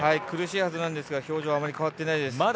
苦しいはずなんですが表情、あまり変わってないです。